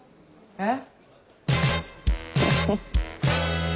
えっ？